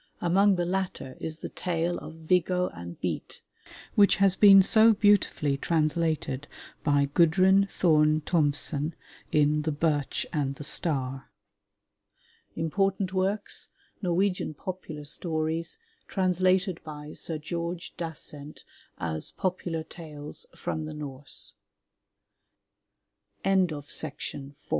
Among the latter is the Tale of Viggo and Beate, which has been so beautifully translated by Gudrun Thome Thomsen in The Birch and the Star. Important Works: Norwegian Popular Stories (translated by Sir George Dasent as Popular Tales from the Norse) BACON, JOSEPHINE DODGE DASKAM (Americ